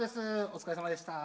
お疲れさまでした。